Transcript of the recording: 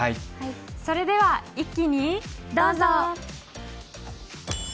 それでは一気にどうぞ！